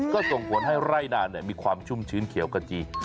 ก็ส่งผลให้ไร่นามีความชุ่มชื้นเขียวกระจี